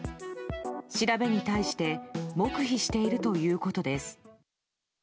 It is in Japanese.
調べに対して黙秘しているということです。